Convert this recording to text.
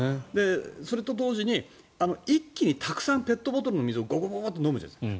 それと同時に一気にたくさんペットボトルの水を飲むじゃないですか。